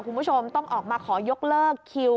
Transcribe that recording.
คุณผู้ชมต้องออกมาขอยกเลิกคิว